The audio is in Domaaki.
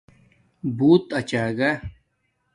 بݸت اچاگہ